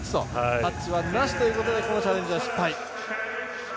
タッチはなしということでこのチャレンジは失敗。